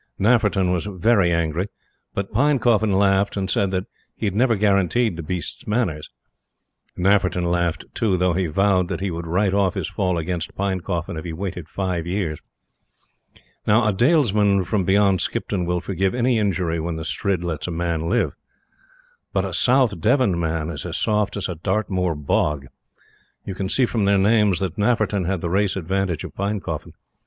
Nafferton was very angry; but Pinecoffin laughed and said that he had never guaranteed the beast's manners. Nafferton laughed, too, though he vowed that he would write off his fall against Pinecoffin if he waited five years. Now, a Dalesman from beyond Skipton will forgive an injury when the Strid lets a man live; but a South Devon man is as soft as a Dartmoor bog. You can see from their names that Nafferton had the race advantage of Pinecoffin.